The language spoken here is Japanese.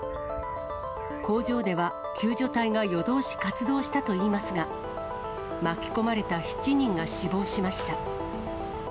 工場では、救助隊が夜通し活動したといいますが、巻き込まれた７人が死亡しました。